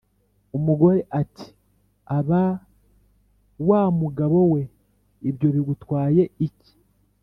umugore ati: "abaaa !.. wa mugabo we ibyo bigutwaye iki?